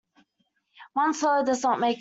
One swallow does not make a summer.